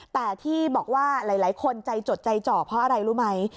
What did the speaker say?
แต่ที่บอกว่าหลายคนใจจดใจจ่อเพราะอะไรรู้ไหม